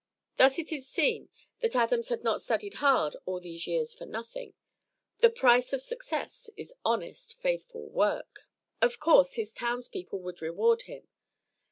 Thus it is seen that Adams had not studied hard all these years for nothing; the price of success is honest, faithful WORK. Of course his towns people would reward him.